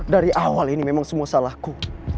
dari awal ini memang semua salahku